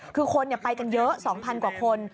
คือคนไปกันเยอะ๒๐๐กว่าคน